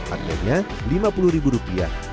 adanya rp lima puluh